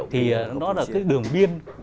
thì nó là cái đường biên